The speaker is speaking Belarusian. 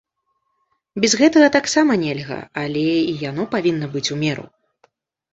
Без гэтага таксама нельга, але і яно павінна быць у меру.